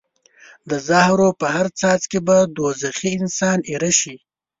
د زهرو په هر څاڅکي به دوزخي انسان ایره شي.